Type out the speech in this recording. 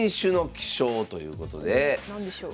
何でしょう？